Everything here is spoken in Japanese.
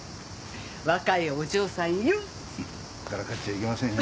若いお嬢さんよ。